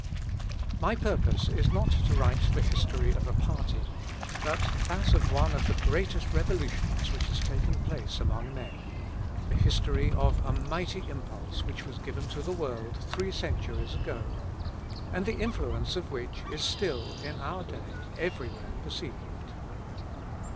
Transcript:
My purpose is not to write the history of a party, but that of one of the greatest revolutions which has taken place among men the history of a mighty impulse which was given to the world three centuries ago, and the influence of which is still, in our day, every where perceived.